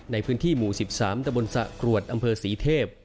ในพื้นที่หมู่๑๓ตะบนสะกรวดอำเภอศรีเทพ